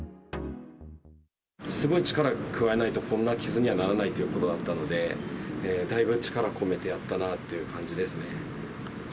すごい力加えないと、こんな傷にはならないということだったので、だいぶ力を込めてやったなっていう感じですね。